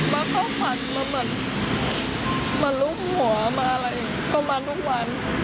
บางครั้งมันเหมือนลูกหัวอะไรก็มาทุกวัน